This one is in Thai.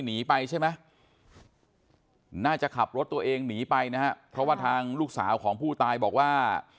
หนีไปใช่ไหมน่าจะขับรถตัวเองหนีไปนะฮะเพราะว่าทางลูกสาวของผู้ตายบอกว่า